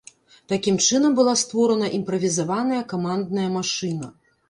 Такім чынам была створана імправізаваная камандная машына.